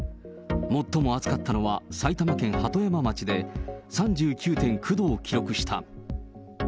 最も暑かったのは埼玉県鳩山町で３９．９度を記録した。